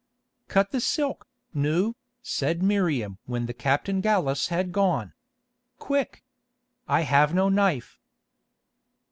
"Cut the silk, Nou," said Miriam when the Captain Gallus had gone. "Quick. I have no knife."